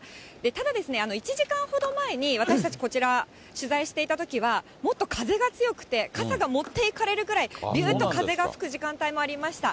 ただですね、１時間ほど前に私たち、こちら取材していたときは、もっと風が強くて、傘が持っていかれるくらい、びゅーっと風が吹く時間帯もありました。